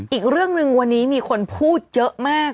อีกเรื่องหนึ่งวันนี้มีคนพูดเยอะมาก